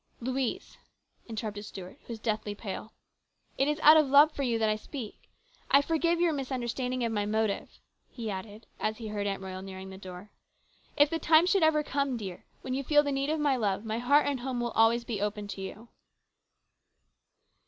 " Louise," interrupted Stuart, who was deathly pale, " it is out of love for you that I speak. I forgive your misunderstanding of my motive," he added, as he heard Aunt Royal nearing the door. " If the time should ever come, dear, when you feel 17 258 HIS BROTHER'S KEEPER. the need of my love, my heart and home will always be open to you."